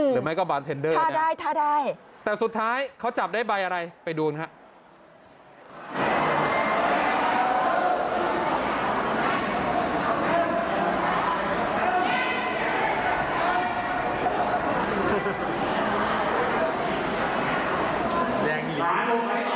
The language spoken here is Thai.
หรือไม่ก็บาร์นเทนเดอร์แหละครับแต่สุดท้ายเขาจับได้ใบอะไรไปดูนะครับ